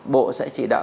bộ sẽ chỉ đạo